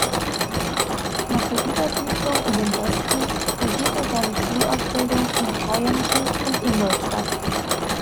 Nach der Übersiedlung in den Westen, erhielt er seine Schulausbildung in Kreiensen und Ingolstadt.